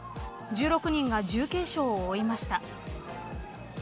１６人が重軽傷を負いました。